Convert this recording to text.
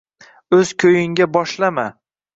O’z ko’yingga boshlama.